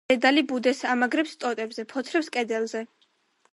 დედალი ბუდეს ამაგრებს ტოტებზე, ფოთლებზე, კლდეზე.